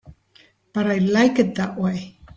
But I like it that way.